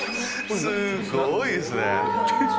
すごいですね。